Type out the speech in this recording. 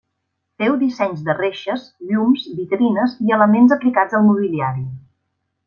Féu dissenys de reixes, llums, vitrines i elements aplicats al mobiliari.